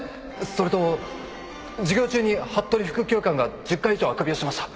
それと授業中に服部副教官が１０回以上あくびをしました。